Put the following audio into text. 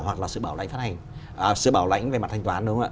hoặc là sự bảo lãnh về mặt thanh toán